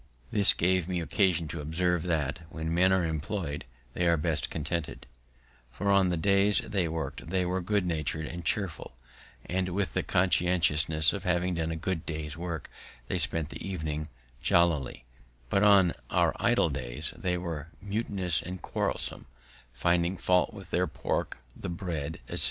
This gave me occasion to observe, that, when men are employ'd, they are best content'd; for on the days they worked they were good natur'd and cheerful, and, with the consciousness of having done a good day's work, they spent the evening jollily; but on our idle days they were mutinous and quarrelsome, finding fault with their pork, the bread, etc.